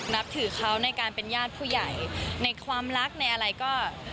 นับถือเขาในการเป็นญาติผู้ใหญ่ในความรักในอะไรก็